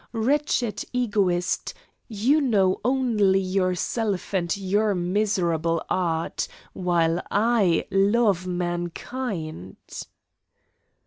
Wretched egoist, you know only yourself and your miserable art, while I love mankind."